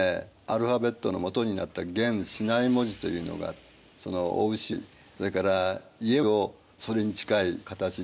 アルファベットの基になった原シナイ文字というのがその雄牛それから家をそれに近い形に。